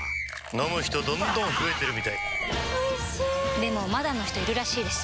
飲む人どんどん増えてるみたいおいしでもまだの人いるらしいですよ